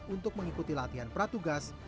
untuk mengikuti latihan pratugas